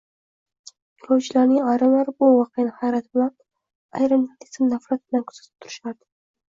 Yoʻlovchilarning ayrimlari bu voqeani hayrat bilan, ayrimlari esa nafrat bilan kuzatib turishardi.